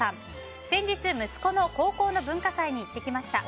先日、息子の高校の文化祭に行ってきました。